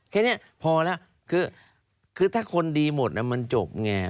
แค่นี้พอแล้วคือถ้าคนดีหมดมันจบไง